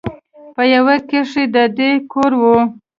په يوه کښې د ده کور و.